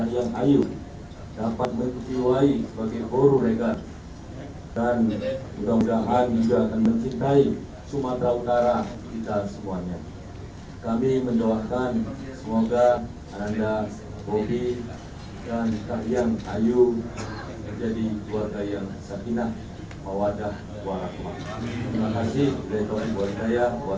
jika ada yang menggunakan kata kata yang berbeda dengan doa